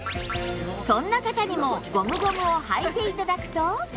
そんな方にもゴムゴムを履いて頂くと